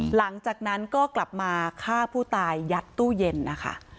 หลังจากนั้นก็กลับมาฆ่าผู้ตายยัดตู้เย็นนะคะ